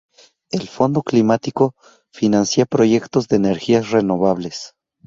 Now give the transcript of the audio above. El "Fondo Climático" financia proyectos de energías renovables.